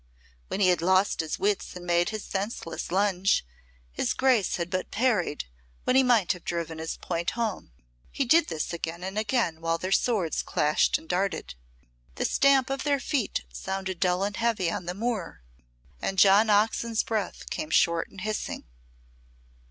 When he had lost his wits and made his senseless lunge, his Grace had but parried when he might have driven his point home; he did this again and again while their swords clashed and darted. The stamp of their feet sounded dull and heavy on the moor, and John Oxon's breath came short and hissing.